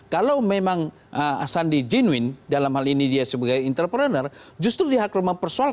kalau memang sandi genuin dalam hal ini dia sebagai entrepreneur justru dihak mempersoalkan